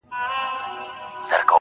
خو اوس د اوښكو سپين ځنځير پر مخ گنډلی.